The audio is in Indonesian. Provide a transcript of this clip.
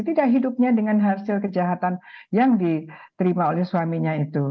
tidak hidupnya dengan hasil kejahatan yang diterima oleh suaminya itu